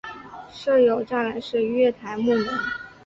设有栅栏式月台幕门。